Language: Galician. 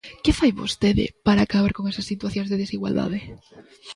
¿Que fai vostede para acabar con esas situacións de desigualdade?